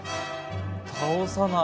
倒さない。